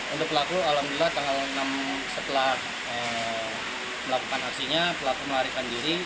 untuk pelaku alhamdulillah tanggal enam setelah melakukan aksinya pelaku melarikan diri